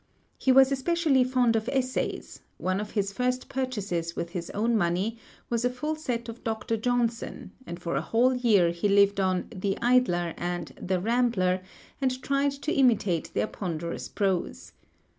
He was especially fond of essays; one of his first purchases with his own money was a full set of Dr. Johnson, and for a whole year he lived on 'The Idler' and 'The Rambler' and tried to imitate their ponderous prose.